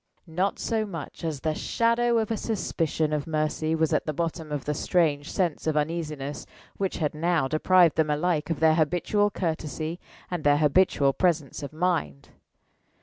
Not so much as the shadow of a suspicion of Mercy was at the bottom of the strange sense of uneasiness which had now deprived them alike of their habitual courtesy and their habitual presence of mind.